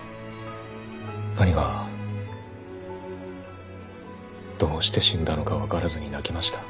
兄がどうして死んだのか分からずに泣きました。